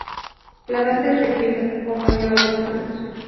La base rítmica que acompañó a los hnos.